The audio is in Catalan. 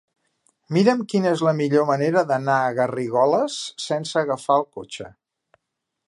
Mira'm quina és la millor manera d'anar a Garrigoles sense agafar el cotxe.